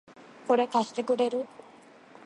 これ、貸してくれる？